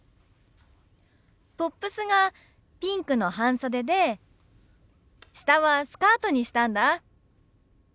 トップスがピンクの半袖で下はスカートにしたんだ。